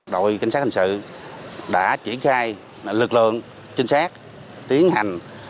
đội cảnh sát hình sự đã triển khai lực lượng trinh sát tiến hành